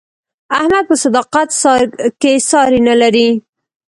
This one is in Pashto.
احمد په صداقت کې ساری نه لري.